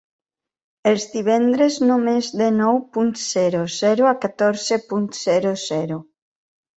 Els divendres només de nou punt zero zero a catorze punt zero zero.